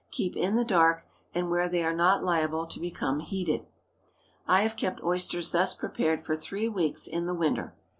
Keep in the dark, and where they are not liable to become heated. I have kept oysters thus prepared for three weeks in the winter.